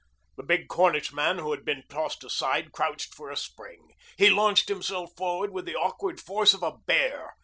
The big Cornishman who had been tossed aside crouched for a spring. He launched himself forward with the awkward force of a bear.